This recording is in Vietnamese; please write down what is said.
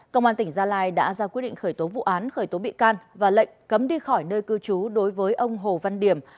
công an tỉnh gia lai đã ra quyết định khởi tố vụ án khởi tố bị can và lệnh cấm đi khỏi nơi cư trú đối với ông hồ văn điểm